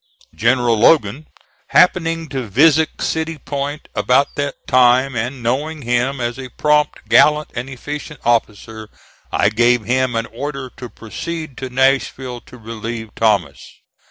General Logan happening to visit City Point about that time, and knowing him as a prompt, gallant and efficient officer, I gave him an order to proceed to Nashville to relieve Thomas.